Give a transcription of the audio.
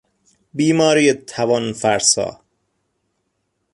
بیماری توان فرسا